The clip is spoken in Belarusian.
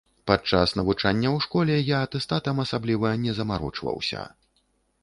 Падчас навучання ў школе я атэстатам асабліва не замарочваўся.